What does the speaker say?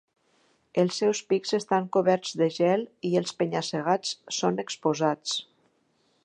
Els seus pics estan coberts de gel i els penya-segats són exposats.